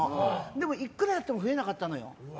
でも、いくらやっても増えなかったのよ。